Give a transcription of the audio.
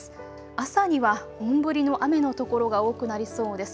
朝には本降りの雨の所が多くなりそうです。